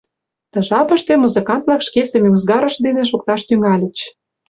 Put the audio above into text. Ты жапыште музыкант-влак шке семӱзгарышт дене шокташ тӱҥальыч.